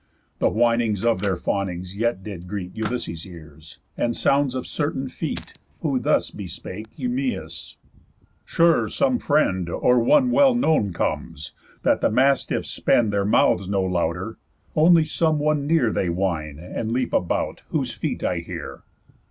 The whinings of their fawnings yet did greet Ulysses' ears, and sounds of certain feet, Who thus bespake Eumæus: "Sure some friend, Or one well known, comes, that the mastiffs spend Their mouths no louder. Only some one near They whine, and leap about, whose feet I hear."